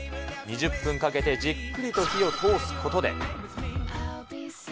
２０分かけて、じっくりと火を通すことで。